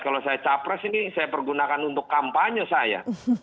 kalau saya capres ini saya pergunakan untuk kampanye saya